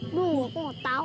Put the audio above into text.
aku nggak tau